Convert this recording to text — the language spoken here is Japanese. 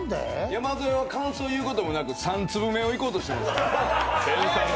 山添は感想言うこともなく、３粒目をいこうとしてます。